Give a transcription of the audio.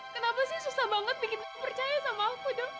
kenapa sih susah banget bikin aku percaya sama aku dong